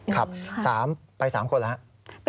ครับไป๓คนแล้วฮะ